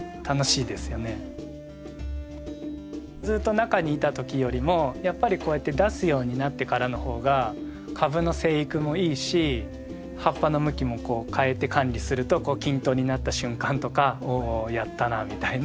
ずっと中にいた時よりもやっぱりこうやって出すようになってからのほうが株の生育もいいし葉っぱの向きもこう変えて管理すると均等になった瞬間とか「おやったな」みたいな。